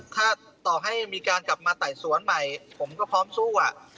ถ้าต่อให้มีการกลับมาไต่สวนใหม่ผมก็พร้อมสู้อะ